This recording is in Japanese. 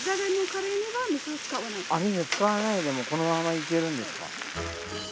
あっ水使わないでこのままいけるんですか。